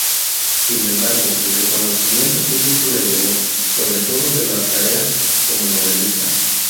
Sin embargo, el reconocimiento público le llegó, sobre todo, de la tarea como novelista.